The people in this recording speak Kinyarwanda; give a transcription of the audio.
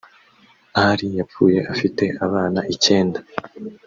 Ali yapfuye afite abana icyenda